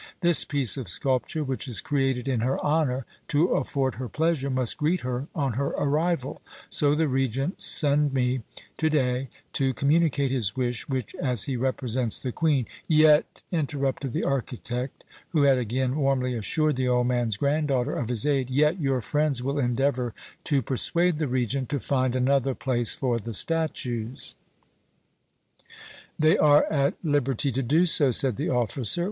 This piece of sculpture, which is created in her honour, to afford her pleasure, must greet her on her arrival, so the Regent send me to day to communicate his wish, which, as he represents the Queen " "Yet," interrupted the architect, who had again warmly assured the old man's granddaughter of his aid "yet your friends will endeavour to persuade the Regent to find another place for the statues." "They are at liberty to do so," said the officer.